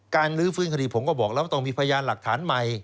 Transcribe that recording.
ลื้อฟื้นคดีผมก็บอกแล้วต้องมีพยานหลักฐานใหม่